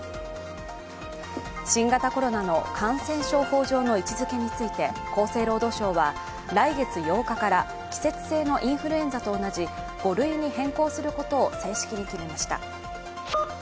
新型コロナの感染症法上の位置づけについて厚生労働省は来月８日から季節性のインフルエンザと同じ５類に変更することを正式に決めました。